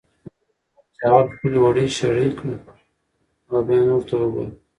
ورور مې وویل چې اول خپلې وړۍ شړۍ کړه او بیا نورو ته وګوره.